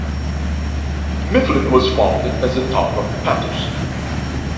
Mifflin was founded as the town of Patterson.